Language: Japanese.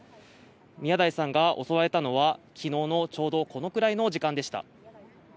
宮台さんが襲われたのは昨日のちょうどこのくらいの時間帯でした。